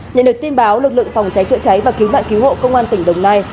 nhận được tin báo lực lượng phòng cháy chữa cháy và cứu nạn cứu hộ công an tỉnh đồng nai